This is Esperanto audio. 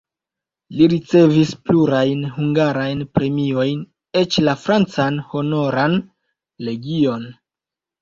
Li ricevis plurajn hungarajn premiojn, eĉ la francan Honoran legion.